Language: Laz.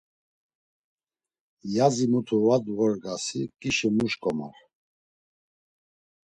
Yazi muti va dvorgasi ǩişi mu şǩomar?